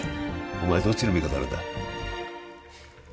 お前どっちの味方なんだ